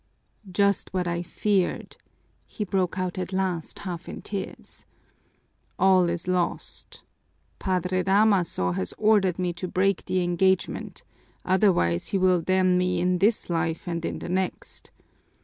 "Just what I feared," he broke out at last, half in tears. "All is lost! Padre Damaso has ordered me to break the engagement, otherwise he will damn me in this life and in the next.